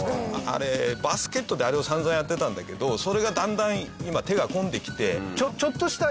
あれバスケットであれを散々やってたんだけどそれがだんだん今手が込んできて。